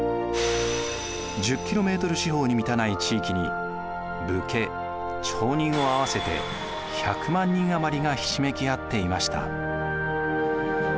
１０キロメートル四方に満たない地域に武家町人を合わせて１００万人余りがひしめき合っていました。